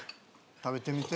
食べてみて。